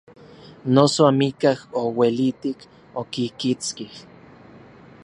Noso amikaj ouelitik okikitskij.